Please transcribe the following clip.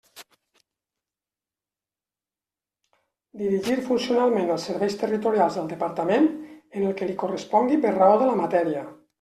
Dirigir funcionalment els Serveis Territorials del Departament, en el que li correspongui per raó de la matèria.